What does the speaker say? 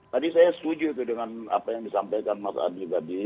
tadi saya setuju itu dengan apa yang disampaikan mas adi tadi